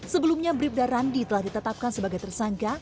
sebelumnya brief daerah ini telah ditetapkan sebagai tersangka